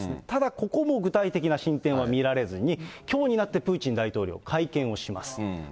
ただ、ここも具体的な進展は見られずに、きょうになってプーチン大統領、会見をします。